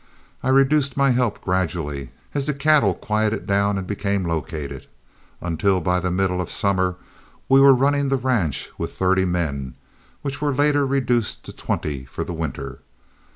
I reduced my help gradually, as the cattle quieted down and became located, until by the middle of summer we were running the ranch with thirty men, which were later reduced to twenty for the winter.